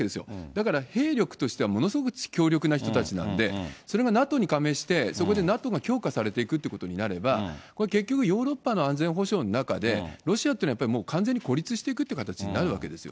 だから兵力としてはものすごく強力な人たちなんで、それがＮＡＴＯに加盟して、そこでＮＡＴＯが強化されていくっていうことになれば、これ結局、ヨーロッパの安全保障の中で、ロシアっていうのは完全に孤立していくっていう形になるわけです